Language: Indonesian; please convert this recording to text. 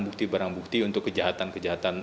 bukti barang bukti untuk kejahatan kejahatan